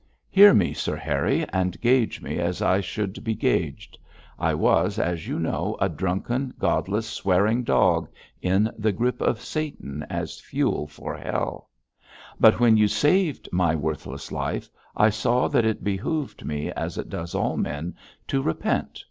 'Hear me, Sir Harry, and gauge me as I should be gauged. I was, as you know, a drunken, godless, swearing dog, in the grip of Satan as fuel for hell; but when you saved my worthless life I saw that it behoved me, as it does all men, to repent.